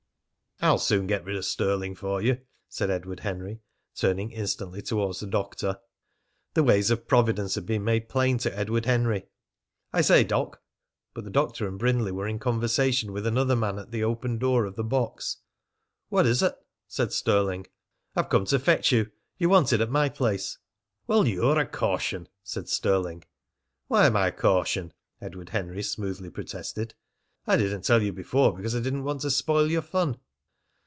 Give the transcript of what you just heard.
"I'll soon get rid of Stirling for you," said Edward Henry, turning instantly towards the doctor. The ways of Providence had been made plain to Edward Henry. "I say, Doc!" But the Doctor and Brindley were in conversation with another man at the open door of the box. "What is it?" said Stirling. "I've come to fetch you. You're wanted at my place." "Well, you're a caution!" said Stirling. "Why am I a caution?" Edward Henry smoothly protested. "I didn't tell you before because I didn't want to spoil your fun."